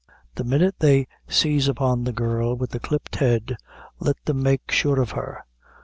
The minute they seize upon the girl with the clipped head, let them make sure of her.